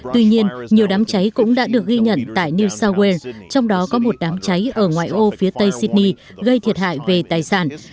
tuy nhiên nhiều đám cháy cũng đã được ghi nhận tại new south wales trong đó có một đám cháy ở ngoại ô phía tây sydney gây thiệt hại về tài sản